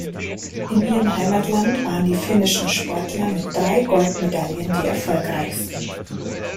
In ihrem Heimatland waren die finnischen Sportler mit drei Goldmedaillen die erfolgreichsten.